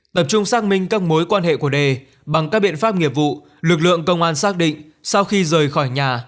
tập trung xác minh các mối quan hệ của đề bằng các biện pháp nghiệp vụ lực lượng công an xác định sau khi rời khỏi nhà